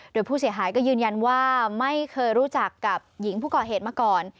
โดยผู้เสียหายก็ยืนยันว่าไม่เคยรู้จักกับหญิงผู้ก่อเหตุมาก่อน